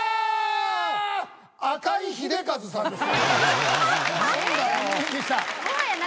赤井英和さんです。